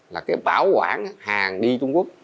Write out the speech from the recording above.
là cái bảo quản hàng đi trung quốc